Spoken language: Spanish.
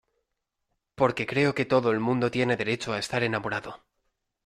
porque creo que todo el mundo tiene derecho a estar enamorado.